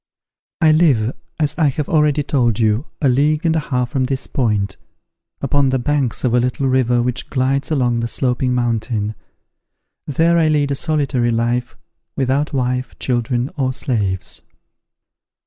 I live, as I have already told you, a league and a half from this point, upon the banks of a little river which glides along the Sloping Mountain: there I lead a solitary life, without wife, children, or slaves.